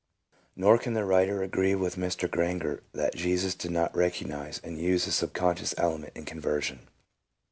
Nor can the writer agree with Mr. Granger that Jesus did not recognize and use the subconscious element in conversion.